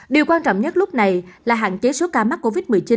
điều quan trọng nhất lúc này là hạn chế số ca mắc covid một mươi chín